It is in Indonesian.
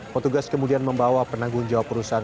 petugas kemudian membawa penanggung jawab perusahaan